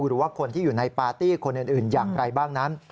หรือว่าคนที่อยู่ในปาร์ตี้คนอื่นอย่างไรบ้างนั้น